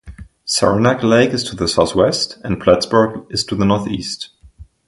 Saranac Lake is to the southwest, and Plattsburgh is to the northeast.